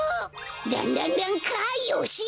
ランランランかよしやるぞ！